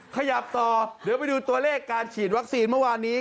ขยับต่อเดี๋ยวไปดูตัวเลขการฉีดวัคซีนเมื่อวานนี้